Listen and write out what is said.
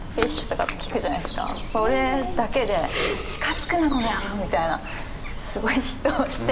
それだけで近づくなこのやろう！みたいなすごい嫉妬をして。